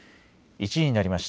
１時になりました。